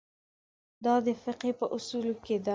دا د فقهې په اصولو کې ده.